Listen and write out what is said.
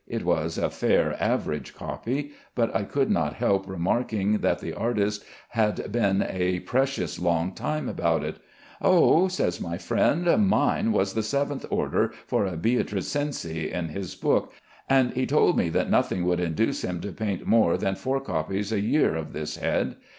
It was a fair average copy, but I could not help remarking that the artist had been a precious long time about it. "Oh," says my friend, "mine was the seventh order for a Beatrice Cenci in his book, and he told me that nothing would induce him to paint more than four copies a year of this head.